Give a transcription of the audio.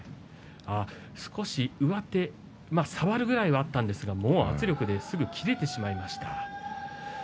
少し上手触るくらいはあったんですが圧力ですぐ切れてしまいました。